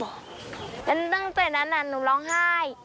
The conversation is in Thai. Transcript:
หมอบอกหนูตรงเลยเขาก็บอกตั้งแต่นั้นหนูร้องไห้